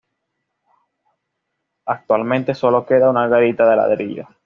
Actualmente solo queda una garita de ladrillo.